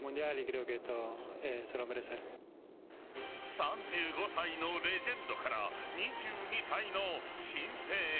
３５歳のレジェンドから２２歳の新星へ。